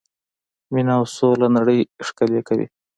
مینه او سوله نړۍ ښکلې کوي.